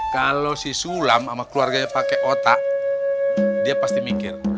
kalau si sulam sama keluarganya pakai otak dia pasti mikir